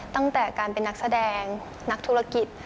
ตั้งแต่การเป็นนักแสดงนักธุรกิจ